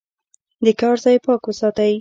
د کار ځای پاک وساتئ.